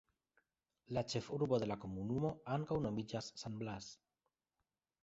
La ĉefurbo de la komunumo ankaŭ nomiĝas San Blas.